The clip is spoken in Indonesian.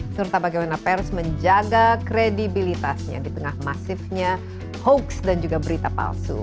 serta bagaimana pers menjaga kredibilitasnya di tengah masifnya hoax dan juga berita palsu